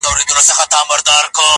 پر ما خوښي لكه باران را اوري.